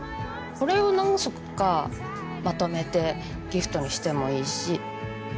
これを何足かまとめてギフトにしてもいいし。